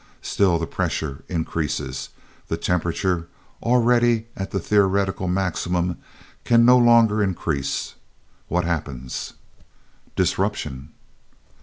Still the pressure increases. The temperature, already at the theoretical maximum, can no longer increase. What happens?" "Disruption."